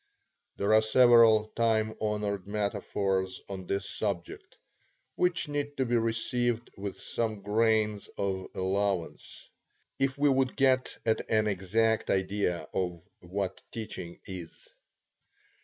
There are several time honored metaphors on this subject, which need to be received with some grains of allowance, if we would get at an exact idea of what teaching is.